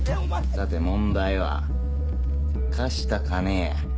さて問題は貸した金や。